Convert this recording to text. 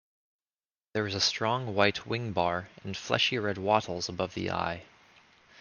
There is a strong white wingbar, and fleshy red wattles above the eye.